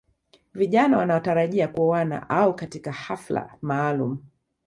Vijana wanaotarajia kuoana au katika hafla maalum